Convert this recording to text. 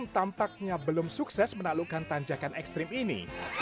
tampaknya belum sukses menaklukkan tanjakan ekstrim ini